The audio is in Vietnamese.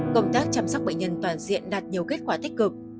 công tác chăm sóc bệnh nhân toàn diện đạt nhiều kết quả tích cực